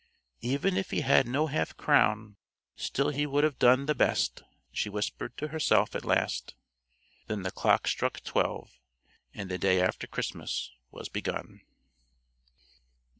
"Even if he had no half crown, still he would have done the best," she whispered to herself at last. Then the clock struck twelve, and the day after Christmas was begun.